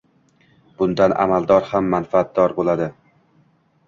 bundan amaldor ham manfaatdor bo‘ladi.